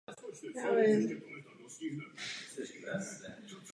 Docílili bychom tak evropské přidané hodnoty od samého počátku.